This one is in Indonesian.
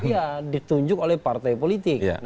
iya ditunjuk oleh partai politik